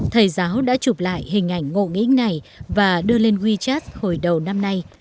thầy giáo đã chụp lại hình ảnh ngộ nghĩnh này và đưa lên wechat hồi đầu năm nay